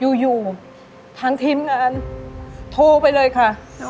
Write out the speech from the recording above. อยู่ทางทีมงานโทรไปเลยค่ะ